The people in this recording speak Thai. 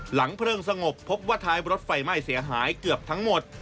เพลิงสงบพบว่าท้ายรถไฟไหม้เสียหายเกือบทั้งหมด